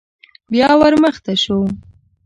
بيا ور مخته شو.